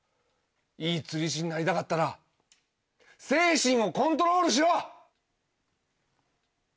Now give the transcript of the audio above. いい釣り師になりたかったら精神をコントロールしろ！